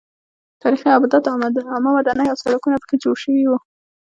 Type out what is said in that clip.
تاریخي ابدات عامه ودانۍ او سړکونه پکې جوړ شوي وو.